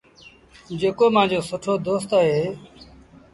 جيڪو مآݩجو سُٺو دوست اهي۔